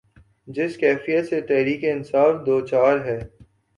جس کیفیت سے تحریک انصاف دوچار ہے۔